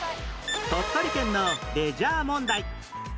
鳥取県のレジャー問題